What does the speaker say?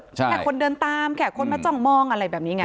แค่คนเดินตามแค่คนมาจ้องมองอะไรแบบนี้ไง